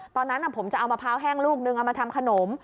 ตอนนั้นผมจะเอามะพร้าวแห้งลูกนึงเอามาทำขนม